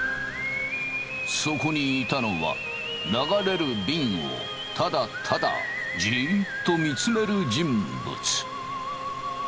そこにいたのは流れるびんをただただじっと見つめる人物。